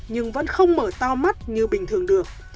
nhưng vẫn không mở to mắt như bình thường được